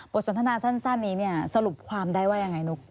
บทสันธนาสั้นสั้นสรุปความได้ว่ายังไงนุ๊ก